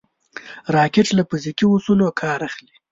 راکټ له فزیکي اصولو کار اخلي